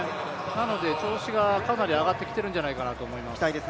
なので、調子がかなり上がってきているんじゃないかなと思います。